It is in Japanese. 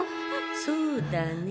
そうだね。